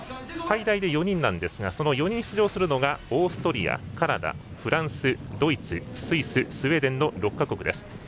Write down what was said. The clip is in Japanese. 最大で４人ですがその４人出場するのがオーストリア、カナダフランス、ドイツ、スイススウェーデンの６か国です。